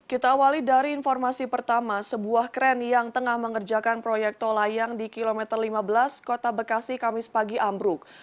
kita awali dari informasi pertama sebuah kren yang tengah mengerjakan proyek tol layang di kilometer lima belas kota bekasi kamis pagi ambruk